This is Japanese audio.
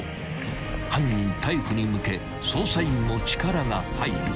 ［犯人逮捕に向け捜査員も力が入る］